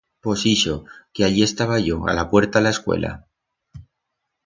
Pos ixo, que allí estaba yo, a la puerta la escuela.